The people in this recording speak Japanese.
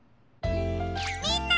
みんな！